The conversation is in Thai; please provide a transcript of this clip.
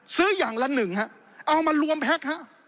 ซื้ออย่างละหนึ่งฮะเอามารวมแพ็คฮะ